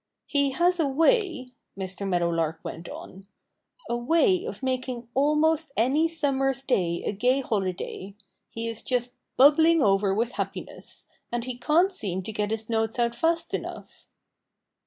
"He has a way" Mr. Meadowlark went on "a way of making almost any summer's day a gay holiday. He is just bubbling over with happiness; and he can't seem to get his notes out fast enough."